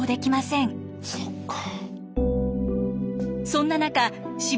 そんな中柴